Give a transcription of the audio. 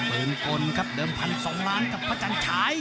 ปืนกลครับเดิมพันสองล้านกับพระจันฉาย